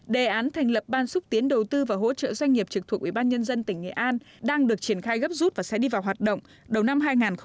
đề án thành lập ban xúc tiến đầu tư và hỗ trợ doanh nghiệp trực thuộc ubnd tỉnh nghệ an đang được triển khai gấp rút và sẽ đi vào hoạt động đầu năm hai nghìn một mươi bảy